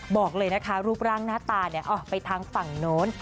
บอกเลยนะคะรูปร่างหน้าตาไปทางฝั่งโน้น